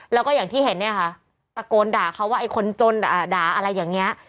แล้วก็อย่างที่เห็นเนี่ยค่ะตะโกนด่าเขาว่าไอ้คนจนด่าอะไรอย่างนี้